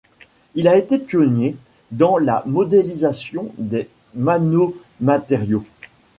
Il a été pionnier dans la modélisation des nanomatériaux.